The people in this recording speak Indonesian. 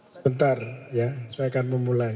sebentar ya saya akan memulai